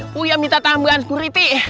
puya minta tambahan sekuriti